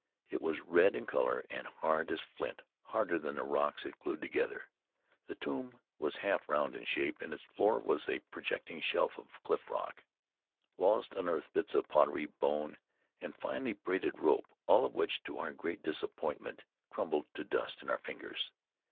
It was red in color and hard as flint, harder than the rocks it glued together. The tomb was half round in shape, and its floor was a projecting shelf of cliff rock. Wallace unearthed bits of pottery, bone and finely braided rope, all of which, to our great disappointment, crumbled to dust in our fingers.